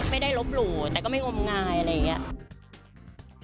ไม่ได้ลบหลู่แต่ก็ไม่งมงายอะไรอย่างนี้